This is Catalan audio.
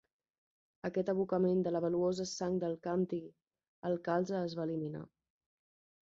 Aquest abocament de la valuosa sang del càntir al calze es va eliminar.